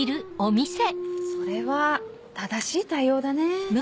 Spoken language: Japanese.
それは正しい対応だね。